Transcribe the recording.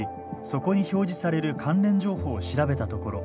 そこに表示される関連情報を調べたところ。